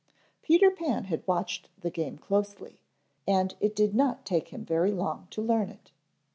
Peter Pan had watched the game closely and it did not take him very long to learn it.